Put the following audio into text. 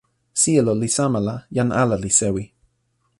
sijelo li sama la, jan ala li sewi.